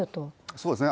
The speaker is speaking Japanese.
そうですね。